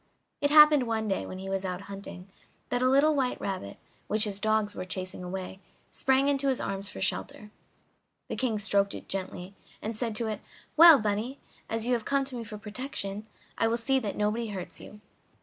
It happened one day, when he was out hunting, that a little white rabbit, which his dogs were chasing, sprang into his arms for shelter. The King stroked it gently, and said to it: "Well, bunny, as you have come to me for protection I will see that nobody hurts you."